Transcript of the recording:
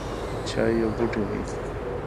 چای یو بوټی دی